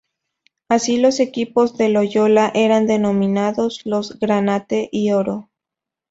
Así, los equipos de Loyola eran denominados los "granate y oro".